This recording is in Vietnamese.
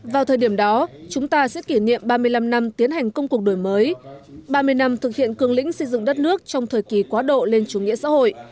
vào thời điểm đó chúng ta sẽ kỷ niệm ba mươi năm năm tiến hành công cuộc đổi mới ba mươi năm thực hiện cường lĩnh xây dựng đất nước trong thời kỳ quá độ lên chủ nghĩa xã hội